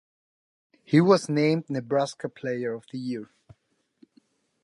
He was named Nebraska player of the year.